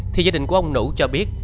thì gia đình của ông nũ cho biết